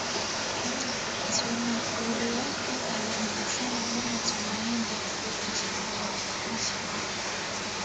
Tuna kuriaka kalanga sana kama tunenda ku mashamba